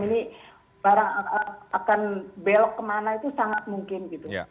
ini barang akan belok kemana itu sangat mungkin gitu